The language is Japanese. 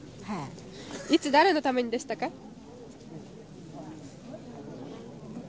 はいいつ誰のためにでしたか？